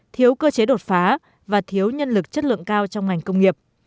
thiếu cơ chế đột phá và thiếu nhân lực chất lượng cao trong ngành công nghiệp